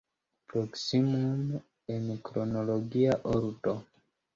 Proksimume en kronologia ordo.